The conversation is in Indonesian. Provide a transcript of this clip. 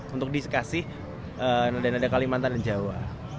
untuk dikasih nada nada kalimantan dan jawa